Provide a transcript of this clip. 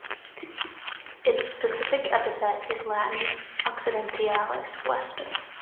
Its specific epithet is Latin "occidentalis" "western".